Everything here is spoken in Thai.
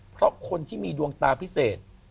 เพราะคนที่มีดวงตาพิเศษ